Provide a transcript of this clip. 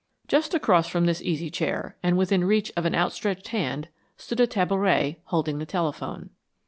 Just across from this easy chair, and within reach of an outstretched hand, stood a tabouret, holding the telephone.